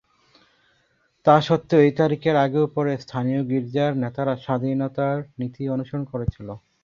তা সত্ত্বেও, এই তারিখের আগে ও পরে স্থানীয় গির্জার নেতারা স্বাধীনতার নীতি অনুসরণ করেছিল।